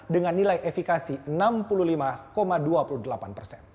dengan nilai efikasi enam puluh lima dua puluh delapan persen